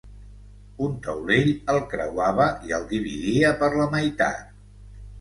Un taulell el creuava i el dividia per la meitat.